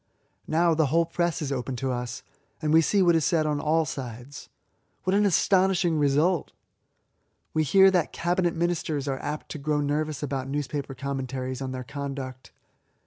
Now the whole press is open to us, and we see what is said on all sides. What an astonishing result! We hear that Cabinet Ministers are apt to grow nervous about newspaper commentaries on their conduct.